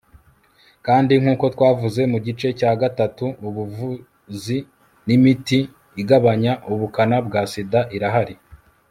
kandi nk'uko twavuze mu gice cya gatatu ubuvuzi n'imiti igabanya ubukana bwa sida irahari